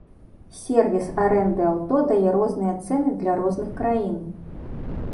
Сервіс арэнды аўто дае розныя цэны для розных краін!